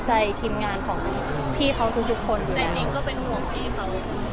จาจริงเจมส์ก็เป็นห่วงของเอ้า